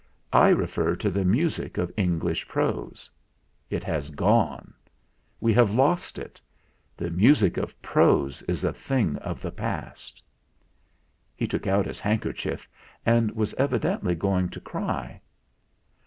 I refer to the music of English prose. It has gone. We have lost it. The music of prose is a thing of the past !" He took out his handkerchief, and was evi dently going to cry.